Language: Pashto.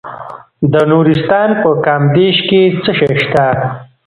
د نورستان په کامدیش کې څه شی شته؟